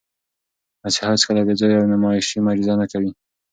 مسیحا هیڅکله بېځایه او نمایشي معجزه نه کوي.